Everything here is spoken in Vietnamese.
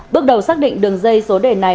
bước đầu xác định đường dây số đề này